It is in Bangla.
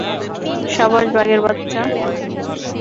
সাবাস, বাঘের বাচ্চা!